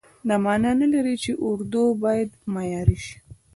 دا معنا نه لري چې اردو باید معیار شي.